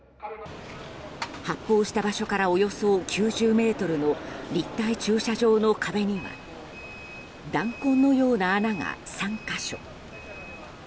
発砲した場所からおよそ９０ｍの立体駐車場の壁には弾痕のような穴が３か所。